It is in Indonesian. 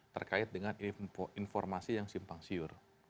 terkait dengan informasi yang simpang siur